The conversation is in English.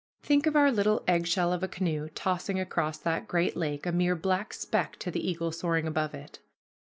Think of our little eggshell of a canoe tossing across that great lake, a mere black speck to the eagle soaring above it!